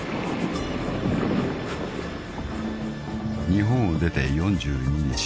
［日本を出て４２日］